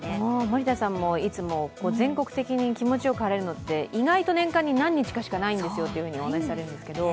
森田さんも、いつも全国的に気持ちよく晴れるのって意外と年間に何日しかないんですよとお話しされるんですけど。